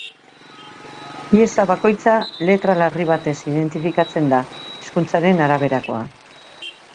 Pieza bakoitza letra larri batez identifikatzen da, hizkuntzaren araberakoa.